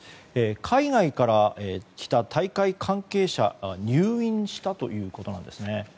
海外から来た大会関係者が入院したということです。